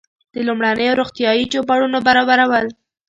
د لومړنیو روغتیایي چوپړونو برابرول.